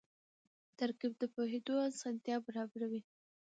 ترکیب د پوهېدو اسانتیا برابروي.